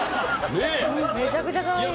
めちゃくちゃかわいい。